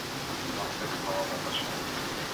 Svátek má Nataša.